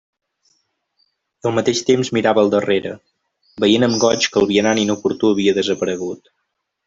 I al mateix temps mirava al darrere, veient amb goig que el vianant inoportú havia desaparegut.